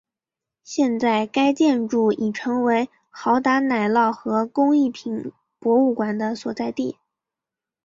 现在该建筑已成为豪达奶酪和工艺品博物馆的所在地。